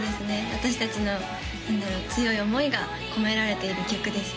私達の何だろう強い思いが込められている曲です